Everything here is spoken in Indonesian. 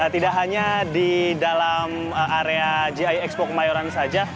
tidak hanya di dalam area gi expo kemayoran saja